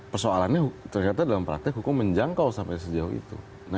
persoalannya ternyata dalam praktek hukum menjangkau sampai sejauh itu